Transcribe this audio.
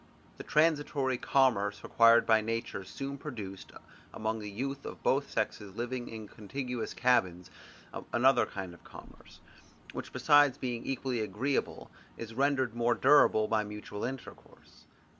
The transitory commerce required by nature soon produced, among the youth of both sexes living in contiguous cabins, another kind of commerce, which besides being equally agreeable is rendered more durable by mutual intercourse.